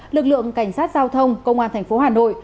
lực lượng cảnh sát giao thông công an thành phố hà nội